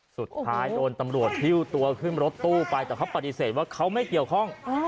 สุดท้ายโดนตำรวจหิ้วตัวขึ้นรถตู้ไปแต่เขาปฏิเสธว่าเขาไม่เกี่ยวข้อง